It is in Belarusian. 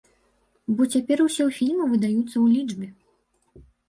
Бо цяпер усе фільмы выдаюцца ў лічбе!